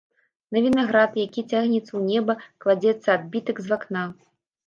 На вінаград, які цягнецца ў неба, кладзецца адбітак з вакна.